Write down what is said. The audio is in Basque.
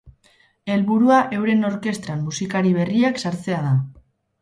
Helburua euren orkestran musikari berriak sartzea da.